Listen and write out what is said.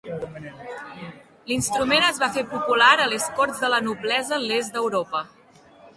L'instrument es va fer popular a les corts de la noblesa l'Est d'Europa.